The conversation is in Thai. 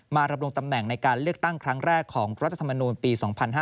ดำรงตำแหน่งในการเลือกตั้งครั้งแรกของรัฐธรรมนูลปี๒๕๕๙